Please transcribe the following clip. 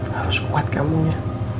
harus kuat kamunya